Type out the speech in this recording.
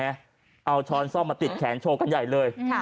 เอาช้อนซ่อมมาติดแขนโชว์กันใหญ่เลย